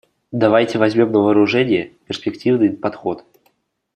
Давайте возьмем на вооружение перспективный подход.